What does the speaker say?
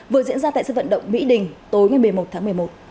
vừa diễn ra tại sân vận động mỹ đình tối ngày một mươi một tháng một mươi một